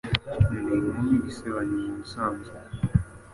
Ndi inkumi isebanya mubusanzwe